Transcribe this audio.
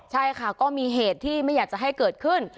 ใช่ค่ะก็มีเหตุที่ไม่อยากจะให้เกิดขึ้น